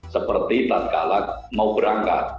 seperti tanpa kalak mau berangkat